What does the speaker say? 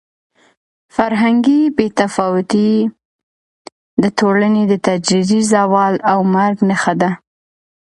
فرهنګي بې تفاوتي د ټولنې د تدریجي زوال او مرګ نښه ده.